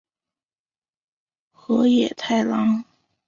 河野太郎。